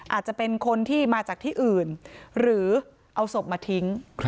อาจจะเป็นคนที่มาจากที่อื่นหรือเอาศพมาทิ้ง